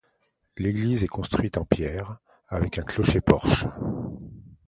L'église est construite en pierre, avec un clocher-porche.